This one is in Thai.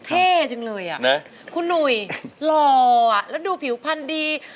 แฮจริงเลยฮะคุณหนุ่ยหล่อแล้วดูผิวพันธ์ดี